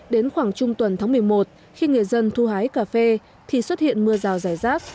đến khoảng trung tuần tháng một mươi một khi người dân thu hái cà phê thì xuất hiện mưa rào rải rác